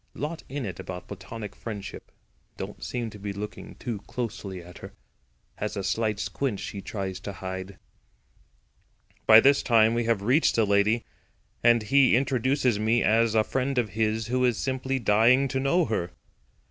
Lot in it about platonic friendship. Don't seem to be looking too closely at her. Has a slight squint she tries to hide." By this time we have reached the lady, and he introduces me as a friend of his who is simply dying to know her.